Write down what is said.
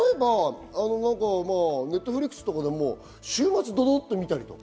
ネットフリックスとかでも週末見たりとか。